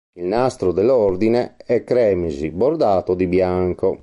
Il "nastro" dell'Ordine è cremisi bordato di bianco.